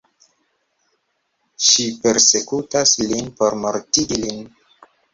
Ŝi persekutas lin por mortigi lin.